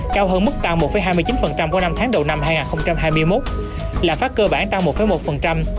cao hơn mức tăng một hai mươi chín của năm tháng đầu năm hai nghìn hai mươi một lạm phát cơ bản tăng một một